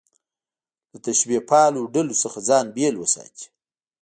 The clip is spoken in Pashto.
له تشبیه پالو ډلو څخه ځان بېل وساتي.